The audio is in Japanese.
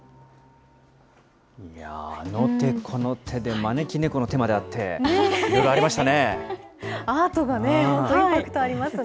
あの手この手で招き猫の手まであって、いろいろありましたね。